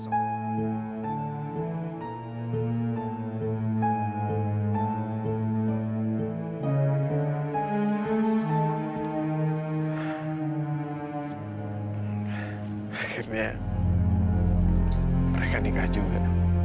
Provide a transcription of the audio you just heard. akhirnya mereka nikah juga